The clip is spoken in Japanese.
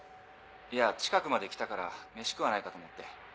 いや近くまで来たからメシ食わないかと思って。